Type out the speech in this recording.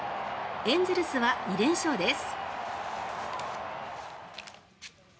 エンゼルスは２連勝です。